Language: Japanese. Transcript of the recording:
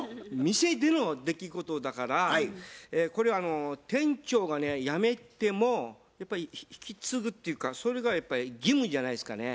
店での出来事だからこれは店長がね辞めてもやっぱり引き継ぐっていうかそれがやっぱり義務じゃないですかね。